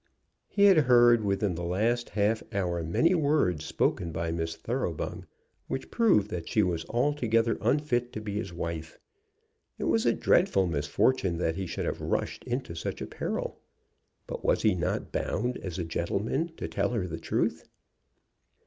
He had heard within the last half hour many words spoken by Miss Thoroughbung which proved that she was altogether unfit to be his wife. It was a dreadful misfortune that he should have rushed into such peril; but was he not bound as a gentleman to tell her the truth?